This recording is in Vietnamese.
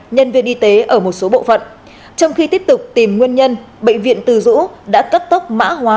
nhân viên y tế ở một số bộ phận trong khi tiếp tục tìm nguyên nhân bệnh viện từ dũ đã cấp tốc mã hóa